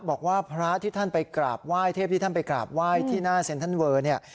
บอกว่าพระที่ท่านไปกราบไหว้เทพที่ท่านไปกราบไหว้ที่หน้าเซ็นทรัลเวอร์เนี่ย